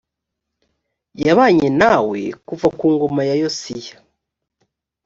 yabanye nawe kuva ku ngoma ya yosiya